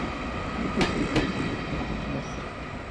El episodio fue escrito por Steven Moffat.